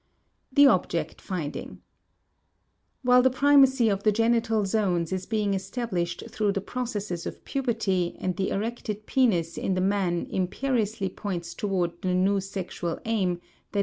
THE OBJECT FINDING While the primacy of the genital zones is being established through the processes of puberty, and the erected penis in the man imperiously points towards the new sexual aim, _i.